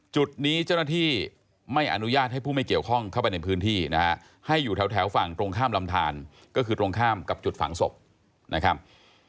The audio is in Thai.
จุดนี้เจ้าหน้าที่ไม่อนุญาตให้ผู้ไม่เกี่ยวข้องเข้าไปในพื้นที่นะฮะให้อยู่แถวฝั่งตรงข้ามลำทานก็คือตรงข้ามกับจุดฝังศพนะครับ